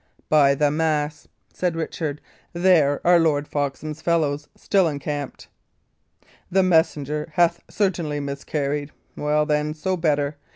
"By the mass," said Richard, "there are Lord Foxham's fellows still encamped. The messenger hath certainly miscarried. Well, then, so better.